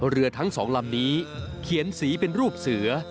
เรือทั้งสองลำนี้เขียนสีเป็นรูปเสือ